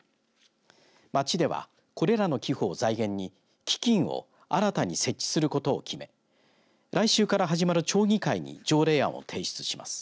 町では、これらの寄付を財源に基金を新たに設置することを決め来週から始まる町議会に条例案を提出します。